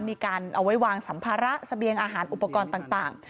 มีการเอาไว้วางสัมภาระเสบียงอาหารอุปกรณ์ต่าง